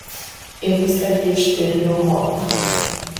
Eu gostaria de ter meu robe.